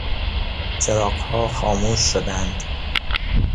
چراغها خاموش شدند.